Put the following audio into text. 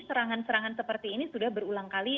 serangan serangan seperti ini sudah berulang kali